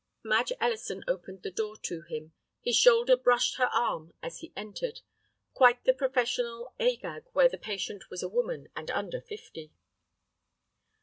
Madge Ellison opened the door to him. His shoulder brushed her arm as he entered, quite the professional Agag where the patient was a woman and under fifty.